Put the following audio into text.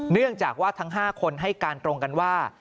เนื่องจากว่าทั้ง๕คนให้การตรงกันว่า